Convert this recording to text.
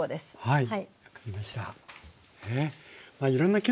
はい。